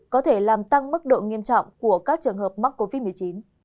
có thể làm tăng mức độ nghiêm trọng của các trường hợp mắc covid một mươi chín